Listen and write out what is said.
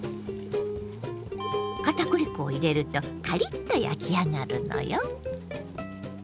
片栗粉を入れるとカリッと焼き上がるのよ。